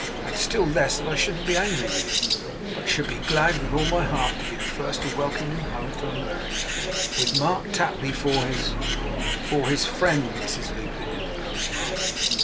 And still less that I shouldn't be angry with him, but should be glad with all my heart to be the first to welcome him home from America, with Mark Tapley for his ' 'For his friend, Mrs Lupin,' interposed Martin.